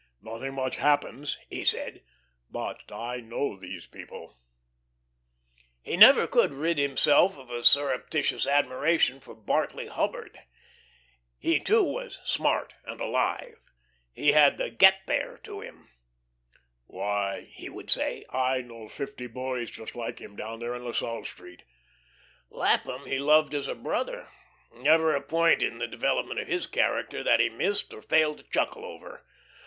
"Nothing much happens," he said. "But I know all those people." He never could rid himself of a surreptitious admiration for Bartley Hubbard. He, too, was "smart" and "alive." He had the "get there" to him. "Why," he would say, "I know fifty boys just like him down there in La Salle Street." Lapham he loved as a brother. Never a point in the development of his character that he missed or failed to chuckle over.